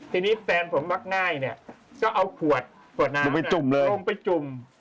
ทีนี้แฟนผมบักง่ายเนี่ยก็เอาขวดน้ำลงไปจุ่ม